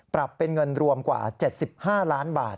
ปรับเป็นเงินรวมกว่า๗๕ล้านบาท